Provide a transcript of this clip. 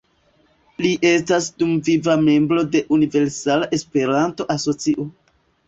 Li estas dumviva membro de Universala Esperanto-Asocio.